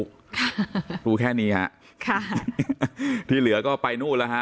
ค่ะรู้แค่นี้ฮะค่ะที่เหลือก็ไปนู่นแล้วฮะ